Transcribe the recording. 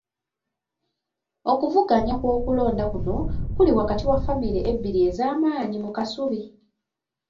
Okuvuganya kw'okulonda kuno kuli wakati wa famire ebbiri ez'amaanyi mu Kasubi.